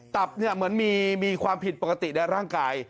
ตับเหมือนมีความผิดปกติในร่างกาย